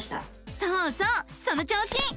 そうそうその調子！